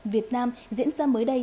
việt nam diễn ra mới đây